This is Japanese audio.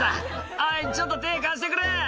「おいちょっと手貸してくれ」